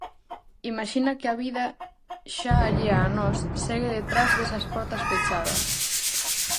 Imaxina que a vida, xa allea a nós, segue detrás desas portas pechadas.